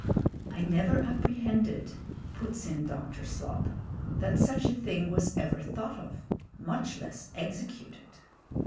"I never apprehended," puts in Dr. Slop, "that such a thing was ever thought of much less executed."